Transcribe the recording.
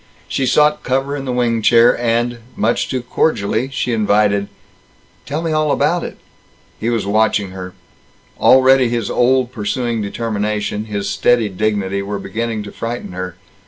She sought cover in the wing chair and much too cordially she invited: "Tell me all about it." He was watching her. Already his old pursuing determination, his steady dignity, were beginning to frighten her.